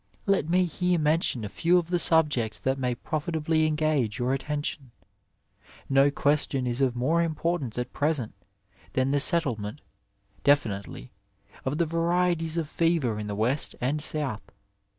Let me here mention a few of the subjects that may profitably engage your attention. No question is of more importance at present than the settlement, definitely, of the varieties of fever in the West and South.